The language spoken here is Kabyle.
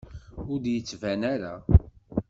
Ur d-yettban ara.